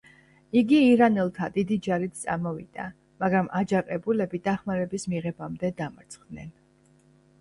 იგი ირანელთა დიდი ჯარით წამოვიდა, მაგრამ აჯანყებულები დახმარების მიღებამდე დამარცხდნენ.